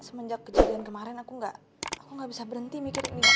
semenjak kejadian kemarin aku gak bisa berhenti mikirin liat